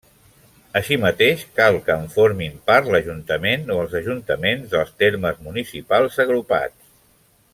Així mateix, cal que en formin part l'ajuntament o els ajuntaments dels termes municipals agrupats.